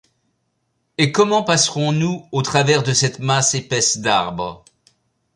Et comment passerons-nous au travers de cette masse épaisse d’arbres?